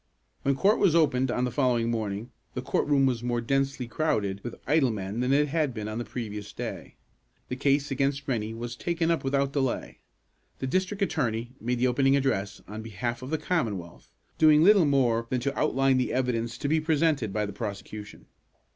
When court was opened on the following morning, the court room was more densely crowded with idle men than it had been on the previous day. The case against Rennie was taken up without delay. The district attorney made the opening address on behalf of the Commonwealth, doing little more than to outline the evidence to be presented by the prosecution.